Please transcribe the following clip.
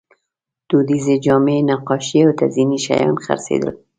دودیزې جامې، نقاشۍ او تزییني شیان خرڅېدل.